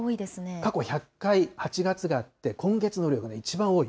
過去１００回８月があって、今月の雨量が一番多い。